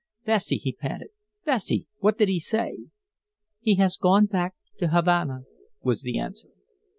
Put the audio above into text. "Bessie!" he panted. "Bessie! What did he say?" "He has gone back to Havana," was the answer.